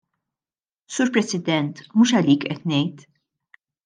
Sur President, mhux għalik qed ngħid.